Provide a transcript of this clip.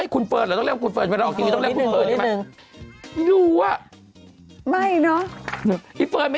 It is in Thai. คุณใหญ่เฟิร์นนะ